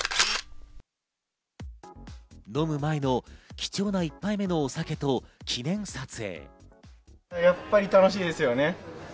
飲む前の貴重な１杯目のお酒と記念撮影。